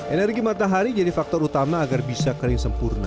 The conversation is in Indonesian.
energi matahari jadi faktor utama agar bisa kering sempurna